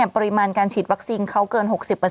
ปริมาณการฉีดวัคซีนเขาเกิน๖๐